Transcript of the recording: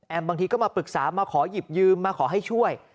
บางทีก็มาปรึกษามาขอหยิบยืมมาขอให้ช่วย